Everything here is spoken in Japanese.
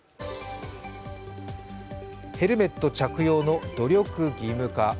ヘルメット着用の努力義務化。